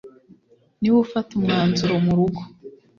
niwe ufata umwanzuro mu rugo,